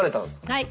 はい。